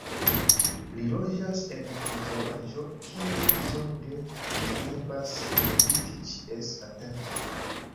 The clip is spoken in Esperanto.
Li loĝas en konstruaĵo kie li zorge strebas eviti ĉies atenton.